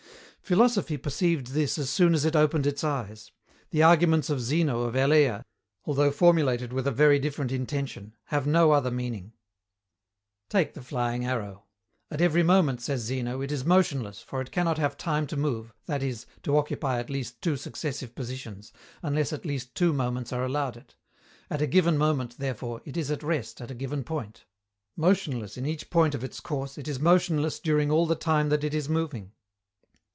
Philosophy perceived this as soon as it opened its eyes. The arguments of Zeno of Elea, although formulated with a very different intention, have no other meaning. Take the flying arrow. At every moment, says Zeno, it is motionless, for it cannot have time to move, that is, to occupy at least two successive positions, unless at least two moments are allowed it. At a given moment, therefore, it is at rest at a given point. Motionless in each point of its course, it is motionless during all the time that it is moving.